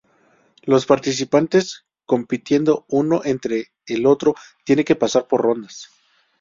Los participantes compitiendo uno entre el otro tienen que pasar por rondas.